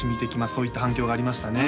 そういった反響がありましたね